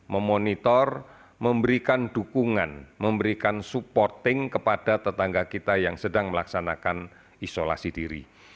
memonitor memberikan dukungan memberikan supporting kepada tetangga kita yang sedang melaksanakan isolasi diri